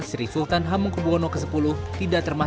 sri sultan hamengkubwono ke sepuluh